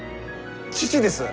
父です。